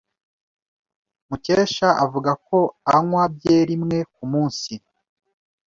Mukesha avuga ko anywa byeri imwe kumunsi.